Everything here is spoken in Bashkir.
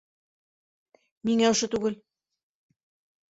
Ниңә ошо түгел?